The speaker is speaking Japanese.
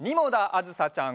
あずさちゃん。